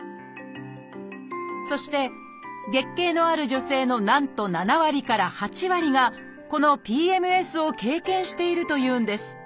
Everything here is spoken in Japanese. そして月経のある女性のなんと７割から８割がこのＰＭＳを経験しているというんです。